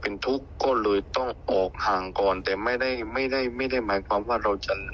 เออแต่ว่าเราเปลี่ยนจากสถานะก่อน